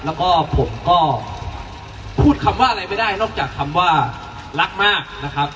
แล้วก็ผมก็พูดคำว่าอะไรไม่ได้นอกจากคำว่ารักมากนะครับ